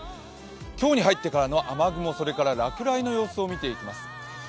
今日に入ってからの雨雲、それから落雷の様子を見ていきます。